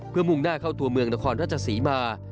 เพื่อมุ่งหน้าเข้าตัวเมืองนครราชศรีมา